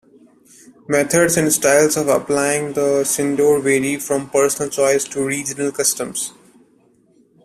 Methods and styles of applying the sindoor vary from personal choice to regional customs.